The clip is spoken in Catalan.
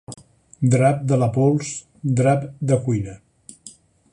Drap de la pols, drap de cuina.